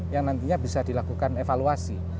yang nantinya bisa dilakukan evaluasi